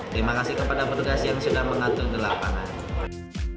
terima kasih kepada penduduk yang sudah mengatur gelapan anda